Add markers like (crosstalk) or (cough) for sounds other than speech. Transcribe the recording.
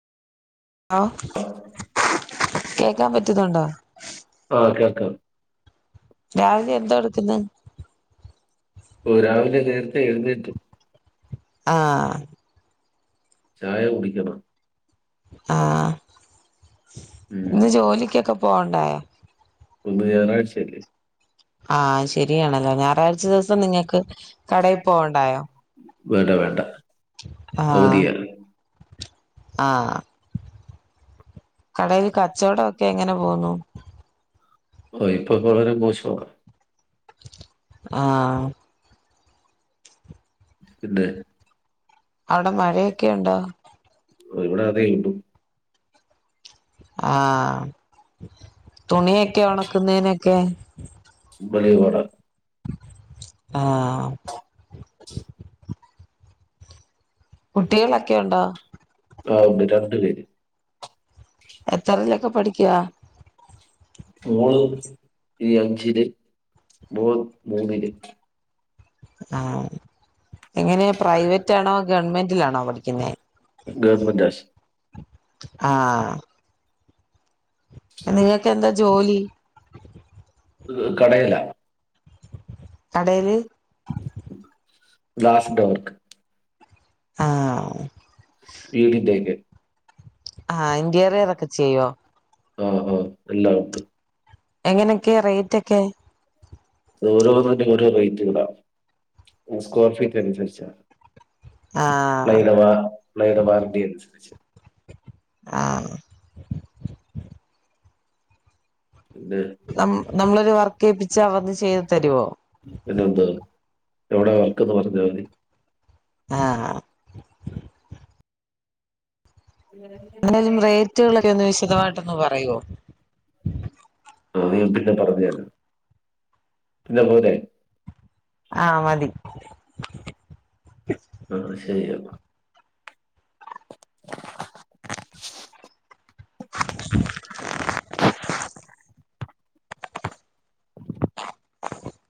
How കേക്കാം പറ്റുന്നുണ്ടോ? ആഹ് കേൾക്കാം. രാവിലെ എന്താ എടുക്ക്ന്ന ഓ രാവിലെ നേരത്തെ എഴുന്നേറ്റ് ആഹ് ചായ കുടിക്കണം ആഹ് ഉം ഇന്ന് ജോലിക്കൊക്കെ പോണ്ടായൊ ഇന്ന് ഞായറാഴ്ച്ചയല്ലേ ആഹ് അത് ശരിയാണല്ലെ ഞായറാഴ്ച്ച ദിവസം നിങ്ങക്ക് കടയിൽ പോവണ്ടായൊ വേണ്ട വേണ്ട ആഹ് അവദിയ ആഹ് കടയിൽ കച്ചവടൊക്കെ എങ്ങനെ പോന്നു ഓ ഇപ്പൊ വളരെ മോശആ ആഹ് പിന്നെ അവിടെ മഴയൊക്കെയുണ്ടോ ഓ ഇവിടെ അതെ ഇണ്ടു ആഹ് തുണിയൊക്കെ ഉണക്കുന്നേ നൊക്കെ ബലിയ പാട ആഹ് ആഹ് കുട്ടികളൊക്കെ ഉണ്ടോ ആണ്ട് രണ്ടു പേര് എത്രതിലൊക്കെ പഠിക്ക്യാ മോള് ഈ അഞ്ചില് മോൻ മൂന്നില് ആഹ് എങ്ങനെയ പ്രൈവറ്റാണോ ഗവൺമെന്റിലാണോ പഠിക്കുന്നെ ഗവൺമെന്റ് ആശു ആഹ് നിങ്ങക്കെന്താ ജോലി കടേല് ഗ്ലാസ്‌ ഡോർക്ക് ആഹ് വീടിന്റെയൊക്കെ ആഹ ഇന്റീറിയർ ഒക്കെ ചെയ്യോ ആഹ ആഹ് എല്ലാം ഉണ്ട് എങ്ങനെയൊക്കെ റേറ്റ് ഒക്കെ അത് ഓരോന്നായ്റ്റ് ഓരോ റേറ്റ്കളാണ് സ്ക്വയർ ഫീറ്റ് അനുസരിച്ചാണ് ആഹ് നൈഡവാ നൈഡവാറന്റി അനുസരിച്ച് ആഹ് പിന്നെ ന നമ്മളൊരു വർക്കേപ്പിച്ച വന്ന് ചെയ്തു തര്വോ പിന്നെ എന്താ എവിടെ വർക്കെന്ന് പറഞ്ഞാ മതി ആഹ് ഉം (unintelligible) എങ്ങനേണ് റേറ്റുകളൊക്കെ ഒന്ന് വിശദമായിട്ടൊന്ന് പറയോ അത് ഞാൻ പിന്നെ പറഞ്ഞു തരാ പിന്നെ പോരെ ആഹ് മതി ആ ശരി എന്നാ